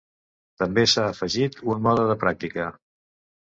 També s'ha afegit un mode de pràctica.